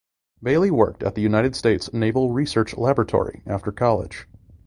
Bailie worked at the United States Naval Research Laboratory after college.